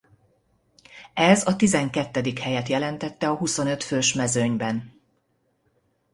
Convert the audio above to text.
Ez a tizenkettedik helyet jelentette a huszonöt fős mezőnyben.